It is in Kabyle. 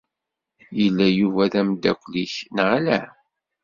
Yella Yuba d ameddakel-ik, neɣ ala?